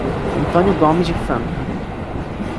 Antônio Gomes de Franca